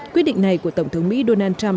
quyết định này của tổng thống mỹ donald trump